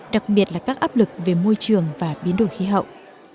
đặc biệt là các áp lực về môi trường và biến đổi khí hậu